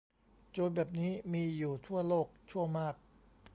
โจรแบบนี้มีอยู่ทั่วโลก ชั่วมาก